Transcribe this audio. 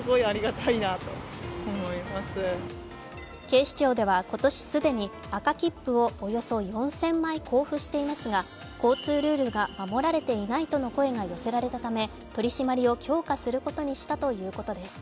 警視庁では今年既に赤切符をおよそ４０００枚交付していますが交通ルールが守られていないとの声が寄せられたため取り締まりを強化することにしたということです。